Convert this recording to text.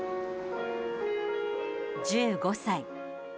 １５歳。